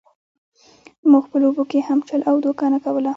موږ په لوبو کې هم چل او دوکه نه کوله.